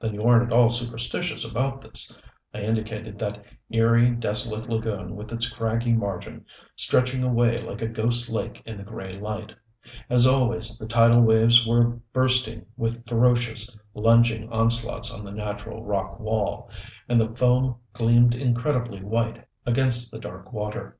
"Then you aren't at all superstitious about this." I indicated that eery, desolate lagoon with its craggy margin, stretching away like a ghost lake in the gray light. As always the tidal waves were bursting with ferocious, lunging onslaughts on the natural rock wall, and the foam gleamed incredibly white against the dark water.